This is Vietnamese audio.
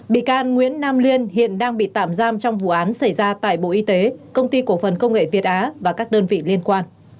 bị can nguyễn nam liên hiện đang bị tạm giam trong vụ án xảy ra tại bộ y tế công ty cổ phần công nghệ việt á và các đơn vị liên quan